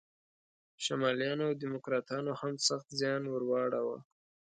شمالیانو او دیموکراتانو هم سخت زیان ور واړاوه.